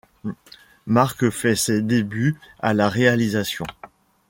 Mark fait ses débuts à la réalisation.